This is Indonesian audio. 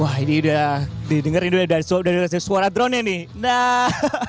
wah ini udah didengar ini udah denger suara drone nya nih